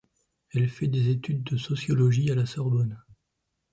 Elle fait des études de sociologie à la Sorbonne.